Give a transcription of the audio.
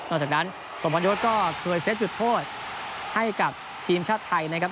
หลังจากนั้นสมพันยศก็เคยเซ็ตจุดโทษให้กับทีมชาติไทยนะครับ